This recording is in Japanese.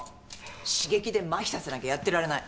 刺激でまひさせなきゃやってられない。